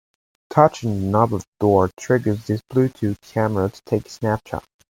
Touching the knob of the door triggers this Bluetooth camera to take a snapshot.